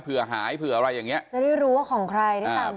เผื่อหายเผื่ออะไรอย่างเงี้ยจะได้รู้ว่าของใครได้ตามเจอ